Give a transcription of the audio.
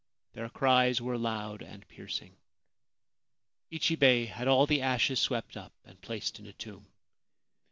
Their cries were loud and piercing. Ichibei had all the ashes swept up and placed in a tomb.